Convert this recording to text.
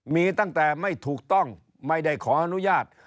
มีตั้งแต่ไม่ถูกต้องไม่ได้ขออนุญาต